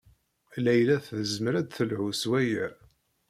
Layla tezmer ad d-telhu s waya.